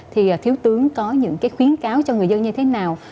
thì thiếu tướng có những khuyến cáo cho người dân như thế nào